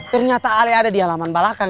ternyata ali ada di alaman belakang